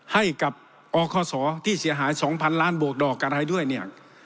ให้กับอคศที่เสียหาย๒๐๐ล้านบวกดอกอะไรด้วยเนี่ย